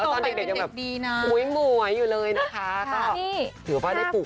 ตอนเด็กยังบ่อยอยู่เลยนะคะอ้าวแล้วตอนเด็กดีนะ